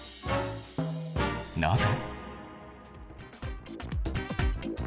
なぜ？